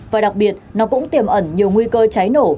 và đặc biệt nó cũng tiềm ẩn nhiều nguy cơ cháy nổ